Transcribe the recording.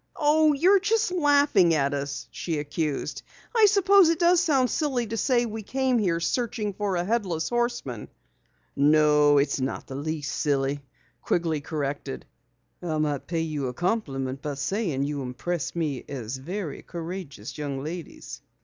"Oh, you're just laughing at us," she accused. "I suppose it does sound silly to say we came here searching for a Headless Horseman." "No, it's not in the least silly," Quigley corrected. "I might pay you a compliment by saying you impress me as very courageous young ladies.